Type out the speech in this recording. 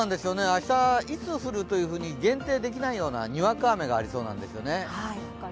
明日、いつ降るというふうに限定できないようなにわか雨がありそうなんですよね。